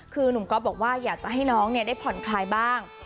คือหนุ่มก๊อฟบอกว่าอยากจะให้น้องได้ผ่อนคลายบ้าง